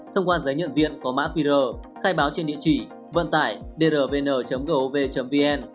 thông qua giấy nhận diện có mã qr khai báo trên địa chỉ vận tải drvn gov vn